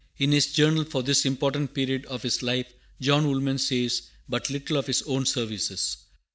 In his Journal for this important period of his life John Woolman says but little of his own services.